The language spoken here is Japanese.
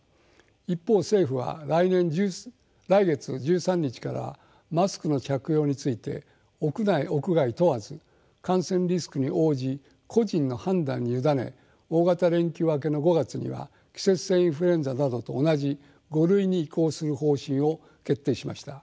一方政府は来月１３日からはマスクの着用について屋内屋外問わず感染リスクに応じ個人の判断に委ね大型連休明けの５月には季節性インフルエンザなどと同じ「５類」に移行する方針を決定しました。